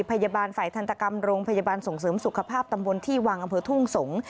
พยาบาลฝ่ายทันตกรรมโรงพยาบาลส่งเสริมสุขภาพตำบลที่วังอำเภอทุ่งสงศ์